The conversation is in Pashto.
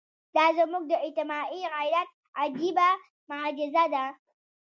دا زموږ د اجتماعي غیرت عجیبه معجزه ده.